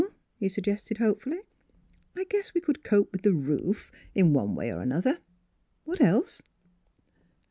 he suggested hopefully. "I guess we could cope with the roof in one way or another. What else?